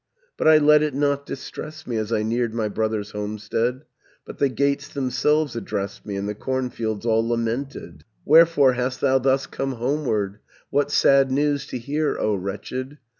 760 "But I let it not distress me, As I neared my brother's homestead, But the gates themselves addressed me, And the cornfields all lamented: "'Wherefore hast thou thus come homeward, What sad news to hear, O wretched?